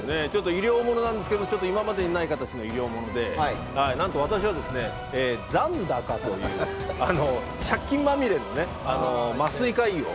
医療ものなんですけど今までにない形の医療ものでなんと私は残高という借金まみれの麻酔科医を。